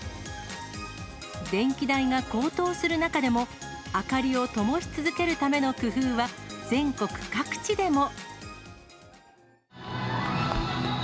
電気代が高騰する中でも、明かりをともし続けるための工夫は全国各地でも。